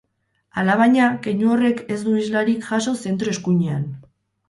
Alabaina, keinu horrek ez du islarik jaso zentro-eskuinean.